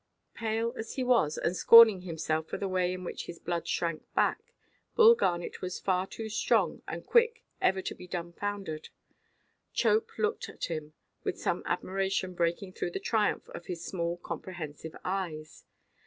Pale as he was, and scorning himself for the way in which his blood shrunk back, Bull Garnet was far too strong and quick ever to be dumb–foundered. Chope looked at him, with some admiration breaking through the triumph of his small comprehensive eyes.